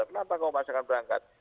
kenapa kamu pasangkan berangkat